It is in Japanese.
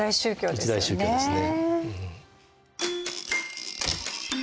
一大宗教ですね。